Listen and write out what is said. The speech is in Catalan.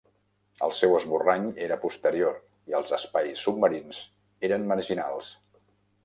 El seu esborrany era posterior i els espais submarins eren marginals.